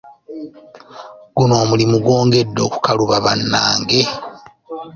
Guno omulimu gwongedde okukaluba bannange.